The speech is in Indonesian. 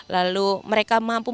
lalu mereka mampu